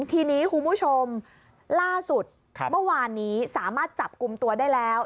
ทีนี้คุณผู้ชมล่าสุดเมื่อวานนี้สามารถจับกลุ่มตัวได้แล้ว